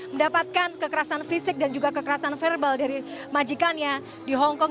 mendapatkan kekerasan fisik dan juga kekerasan verbal dari majikannya di hongkong